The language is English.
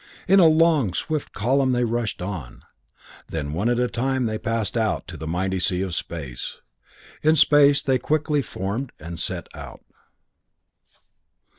In a long, swift column they rushed on. Then one at a time they passed out into the mighty sea of space. In space they quickly formed and set out.